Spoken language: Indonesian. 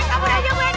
eh kabur aja bu endang